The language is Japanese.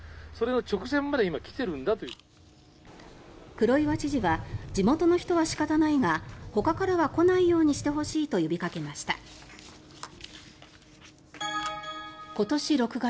黒岩知事は地元の人は仕方ないがほかからは来ないようにしてほしいと呼びかけました。